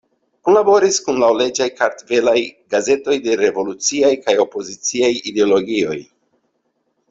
Kunlaboris kun laŭleĝaj kartvelaj gazetoj de revoluciaj kaj opoziciaj ideologioj.